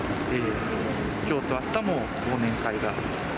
きょうとあしたも忘年会が。